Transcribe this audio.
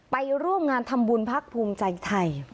ไปร่วมงานทำบุญพักภูมิใจไทย